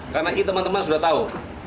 karena teman teman sudah tahu